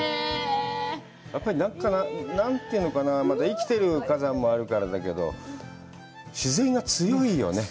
やっぱり何というのかな、生きてる火山もあるからだけど、自然が強いよね。